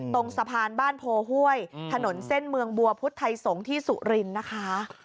ตรงสะพานบ้านโพห้วยถนนเส้นเมืองบัวพุทธไทยสงฆ์ที่สุรินทร์นะคะ